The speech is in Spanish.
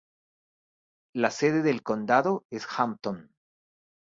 La sede del condado es Hampton.